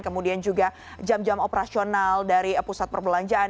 kemudian juga jam jam operasional dari pusat perbelanjaan